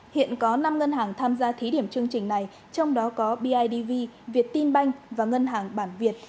hiện có năm ngân hàng tham gia thí điểm chương trình này trong đó có bidv việt tin banh và ngân hàng bản việt